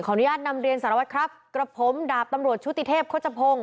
อนุญาตนำเรียนสารวัตรครับกระผมดาบตำรวจชุติเทพโฆษพงศ์